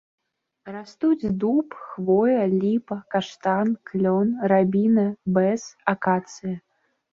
Растуць дуб, хвоя, ліпа, каштан, клён, рабіна, бэз, акацыя.